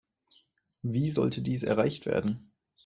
Wie sollte dies erreicht werden?